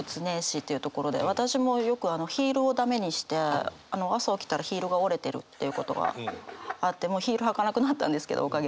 私もよくヒールを駄目にして朝起きたらヒールが折れてるっていうことがあってもうヒール履かなくなったんですけどおかげで。